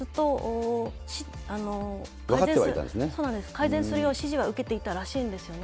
改善するよう、指示は受けていたんですよね。